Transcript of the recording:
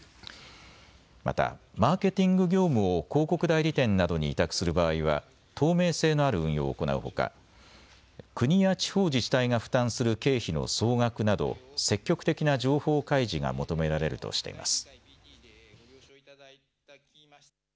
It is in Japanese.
またマーケティング業務を広告代理店などに委託する場合は透明性のある運用を行うほか国や地方自治体が負担する経費の総額など積極的な情報開示が求められるとしています。